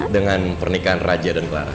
dengan pernikahan raja dan clara